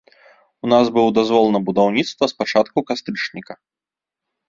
У нас быў дазвол на будаўніцтва з пачатку кастрычніка.